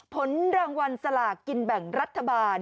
ผลรางวัลสลากกินแบ่งรัฐบาล